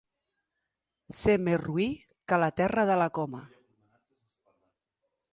Ser més roí que la terra de la Coma.